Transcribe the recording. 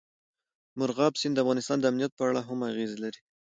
مورغاب سیند د افغانستان د امنیت په اړه هم اغېز لري.